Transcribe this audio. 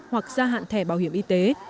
hoặc gia hạn thẻ bảo hiểm y tế